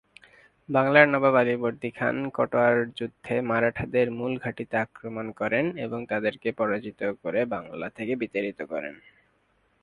বাংলার নবাব আলীবর্দী খান কাটোয়ার যুদ্ধে মারাঠাদের মূল ঘাঁটিতে আক্রমণ করেন এবং তাদেরকে পরাজিত করে বাংলা থেকে বিতাড়িত করেন।